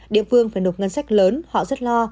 địa phương phải nộp ngân sách lớn họ rất lo